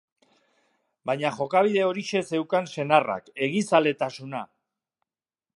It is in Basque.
Baina jokabide horixe zeukan senarrak, egizaletasuna.